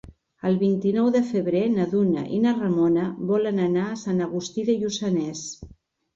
El vint-i-nou de febrer na Duna i na Ramona volen anar a Sant Agustí de Lluçanès.